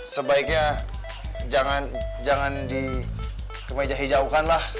sebaiknya jangan dikemeja hijaukan lah